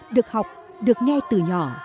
được học được nghe từ nhỏ